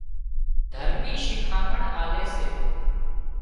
دهرمِي شِکامڻ آلي سي